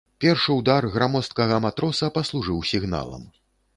Першы ўдар грамоздкага матроса паслужыў сігналам.